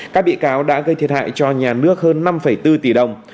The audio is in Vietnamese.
các bị cáo đã gây thiệt hại cho nhà nước hơn năm bốn tỷ đồng